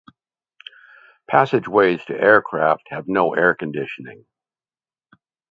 Passageways to aircraft have no air conditioning.